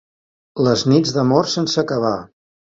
Les nits d'amor sense acabar.